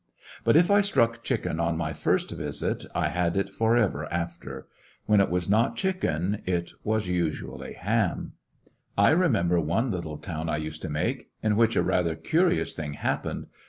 But if I struck chicken on my first visit I had it forever after. When it was not chicken it was usually ham. I remember one little town I used to make One maid of in which a rather curious thing happened.